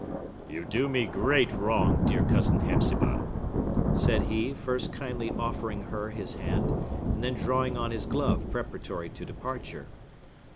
"You do me great wrong, dear Cousin Hepzibah!" said he, first kindly offering her his hand, and then drawing on his glove preparatory to departure.